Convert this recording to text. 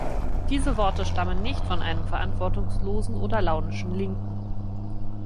Diese Worte stammen nicht von einem verantwortungslosen oder launischen Linken.